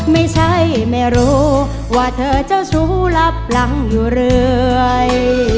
ไม่ใช่ไม่รู้ว่าเธอจะสู้หลับหลังอยู่เรื่อย